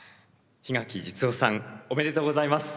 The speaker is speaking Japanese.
檜垣実生さんおめでとうございます。